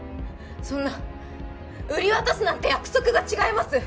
そんな売り渡すなんて約束が違います！